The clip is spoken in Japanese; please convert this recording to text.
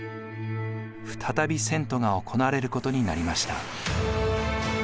再び遷都が行われることになりました。